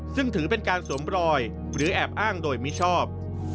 ซึ่งถือเป็นการสวมรอยหรือแอบอ้างโดยมิชอบ